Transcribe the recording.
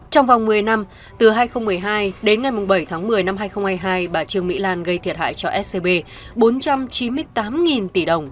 trong vòng một mươi năm từ hai nghìn một mươi hai đến ngày bảy tháng một mươi năm hai nghìn hai mươi hai bà trương mỹ lan gây thiệt hại cho scb bốn trăm chín mươi tám tỷ đồng